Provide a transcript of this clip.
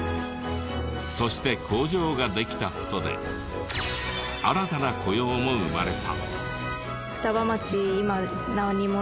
そして工場ができた事で新たな雇用も生まれた。